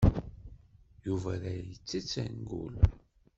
Yuba la ittett angul.